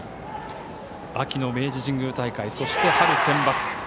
秋の明治神宮大会そして春センバツ。